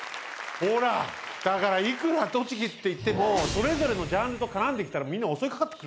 ほらだからいくら栃木っていってもそれぞれのジャンルと絡んできたらみんな襲い掛かってくるって。